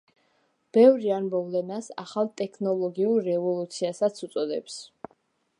ბევრი ამ მოვლენას ახალ ტექნოლოგიურ რევოლუციასაც უწოდებს.